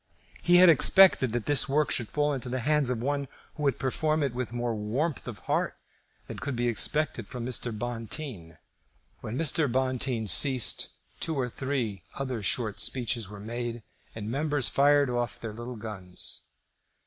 He had expected that this work should fall into the hands of one who would perform it with more warmth of heart than could be expected from Mr. Bonteen. When Mr. Bonteen ceased, two or three other short speeches were made and members fired off their little guns.